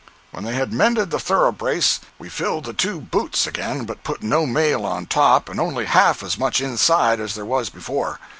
When they had mended the thoroughbrace we filled the two boots again, but put no mail on top, and only half as much inside as there was before.